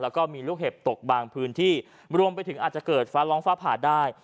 แล้วก็มีลูกเห็บตกบางพื้นที่รวมไปถึงอาจจะเกิดฟ้าร้องฟ้าผ่าได้